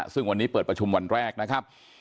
ซึ่งวันนี้เปิดประชุมวันแรกนะครับ